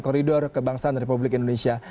koridor kebangsaan republik indonesia